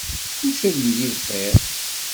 Kullec ad yili bxir.